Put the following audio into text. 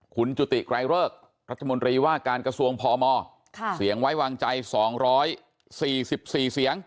คุณจุติไกรเลิกรัฐมนตรีว่าการกระทรวงพมเสียงไว้วางใจ๒๔๔เสียง